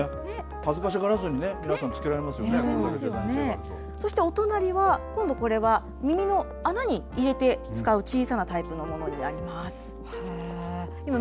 恥ずかしがらずにね、皆さんつけそしてお隣は、今度、これは耳の穴に入れて使う小さなタイプのものになります。